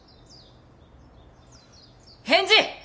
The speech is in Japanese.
返事！